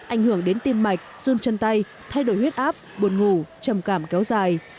ảnh hưởng đến tim mạch run chân tay thay đổi huyết áp buồn ngủ trầm cảm kéo dài